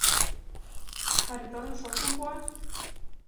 — Харитонов шокшым пуа?